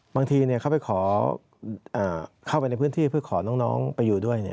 บางทีเข้าไปขอเข้าไปในพื้นที่